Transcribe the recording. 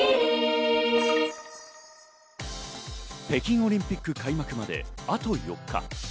北京オリンピック開幕まであと４日。